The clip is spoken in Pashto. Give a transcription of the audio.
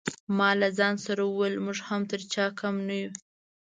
ما له ځان سره وویل موږ هم تر چا کم نه یو.